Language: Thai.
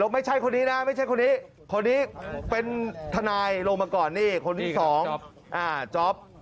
ไม่ใช่คนนี้นะไม่ใช่คนนี้คนนี้เป็นทนายลงมาก่อนนี่คนที่๒จ๊อป